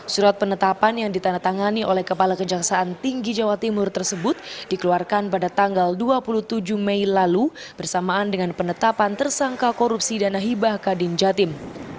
surat penetapan yang ditandatangani oleh kepala kejaksaan tinggi jawa timur tersebut dikeluarkan pada tanggal dua puluh tujuh mei lalu bersamaan dengan penetapan tersangka korupsi dana hibah kadin jatim